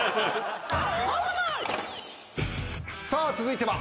さあ続いては。